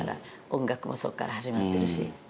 音楽もそこから始まっているし。